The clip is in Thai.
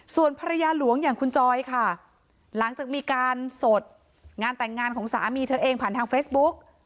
ส่วนภรรยาหลวงอย่างคุณจอยค่ะหลังจากมีการสดงานแต่งงานของสามีเธอเองผ่านทางเฟซบุ๊ก